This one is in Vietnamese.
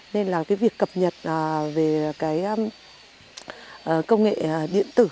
nên là cái việc cập nhật về cái công nghệ điện tử